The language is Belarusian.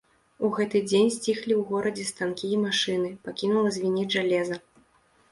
У гэты дзень сціхлі ў горадзе станкі і машыны, пакінула звінець жалеза.